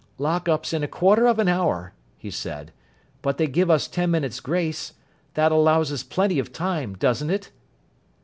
"Lock up's in a quarter of an hour," he said, "but they give us ten minutes' grace. That allows us plenty of time, doesn't it?"